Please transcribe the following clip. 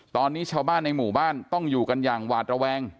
ตอนนี้ชาวบ้านในหมู่บ้านต้องอยู่กันอย่างหวาดระแวง